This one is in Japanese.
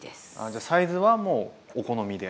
じゃあサイズはもうお好みで。